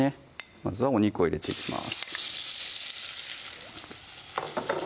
まずはお肉を入れていきます